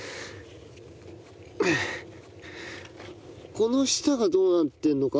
この下がどうなってるのか。